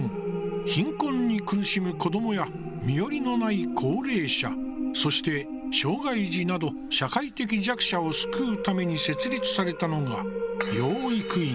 貧困に苦しむ子どもや身寄りのない高齢者、そして障害児など社会的弱者を救うために設立されたのが養育院。